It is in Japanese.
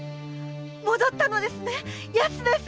戻ったのですね？